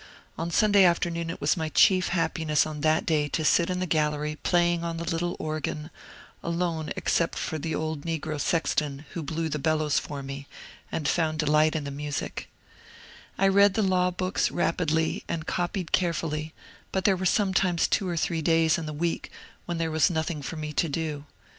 Hig Sunday afternoon it was my chief happiness on that day to r \ in the gallery playing on the little organ, alone except for the old negro sexton who blew the bellows for me, and found delight in the music I read the law books rapidly, and copied carefully, but there were sometimes two or three days in the week when there was nothing for me to do.